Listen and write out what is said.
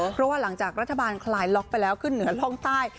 เพราะว่าหลังจากรัฐบาลคลายล็อกไปแล้วขึ้นเหนือร่องใต้